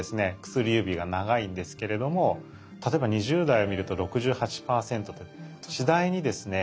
薬指が長いんですけれども例えば２０代を見ると６８％で次第にですね